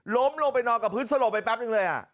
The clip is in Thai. ล้มลงไปนอนกับพืชสะโหลไปแป๊บนึงเลย